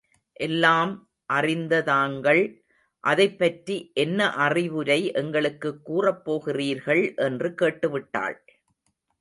எல்லாம் அறிந்ததாங்கள் அதைப்பற்றி என்ன அறிவுரை எங்களுக்கு கூறப் போகிறீர்கள் என்று கேட்டுவிட்டாள்.